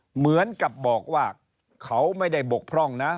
เหมือนกับบอกว่าเขาไม่ได้บกพร่องนะ